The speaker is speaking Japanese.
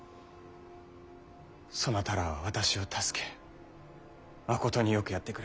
そなたらは私を助けまことによくやってくれた。